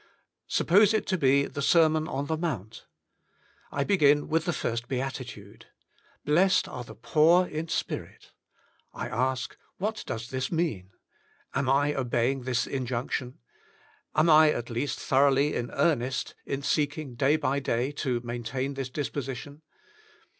Suppose it to be the Sermon on the Mount. I begin with the first Beatitude: "Blessed are the poor in spirit." I ask — ^What does this mean? Am I obeying this injunction? Am I at least thoroughly in earnest in seeking day by day to maintain this disposition?